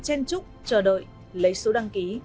chen chúc chờ đợi lấy số đăng ký